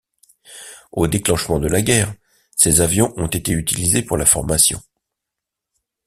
Au déclenchement de la guerre, ces avions ont été utilisés pour la formation.